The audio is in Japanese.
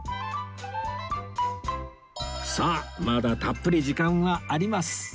さあまだたっぷり時間はあります